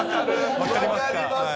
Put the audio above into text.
分かりますか。